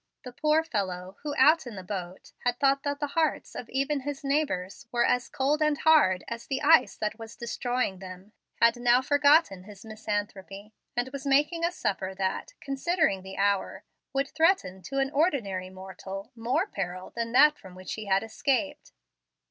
The poor fellow who out in the boat had thought that the hearts of even his neighbors were as cold and hard as the ice that was destroying them had now forgotten his misanthropy, and was making a supper that, considering the hour, would threaten to an ordinary mortal more peril than that from which he had escaped.